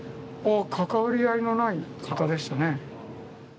関わり合いのない方でしたね。